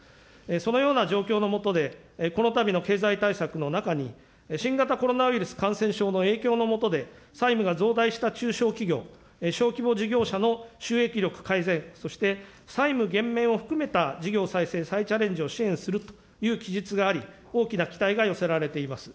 そのような状況のもとで、このたびの経済対策の中に、新型コロナウイルス感染症の影響のもとで債務が増大した中小企業・小規模事業者の収益力改善、そして債務減免を含めた事業再生再チャレンジを支援するという記述があり、大きな期待が寄せられています。